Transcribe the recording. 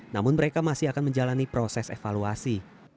namun mereka masih akan menjalani proses evaluasi